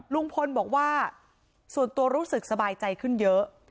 ลุงพลบอกว่าส่วนตัวรู้สึกสบายใจขึ้นเยอะ